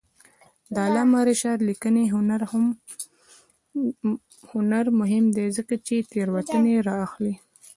د علامه رشاد لیکنی هنر مهم دی ځکه چې تېروتنې رااخلي.